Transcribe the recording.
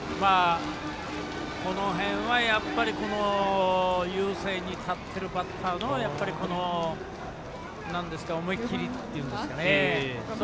この辺はやっぱり優勢に立ってるバッターの思い切りというんですかね。